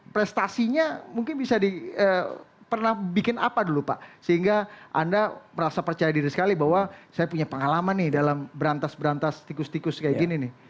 prestasinya mungkin bisa pernah bikin apa dulu pak sehingga anda merasa percaya diri sekali bahwa saya punya pengalaman nih dalam berantas berantas tikus tikus kayak gini nih